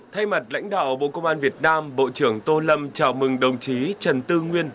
thay mặt lãnh đạo bộ công an việt nam bộ trưởng tô lâm chào mừng đồng chí trần tư nguyên